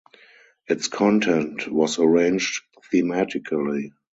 Its content was arranged thematically.